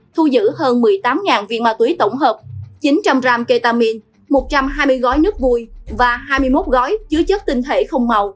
thu giữ hơn một mươi tám viên ma túy tổng hợp chín trăm linh gram ketamine một trăm hai mươi gói nước vui và hai mươi một gói chứa chất tinh thể không màu